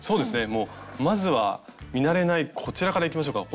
もうまずは見慣れないこちらからいきましょうか。